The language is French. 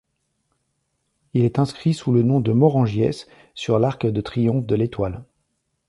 Il est inscrit sous le nom de Morangiès sur l'arc de triomphe de l'Étoile.